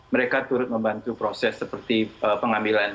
mereka turut membantu proses seperti pengambilan